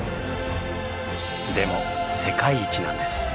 でも世界一なんです。